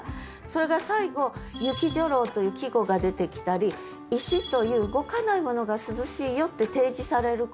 それが最後「雪女郎」という季語が出てきたり石という動かないものが涼しいよって提示されることでハッて思う。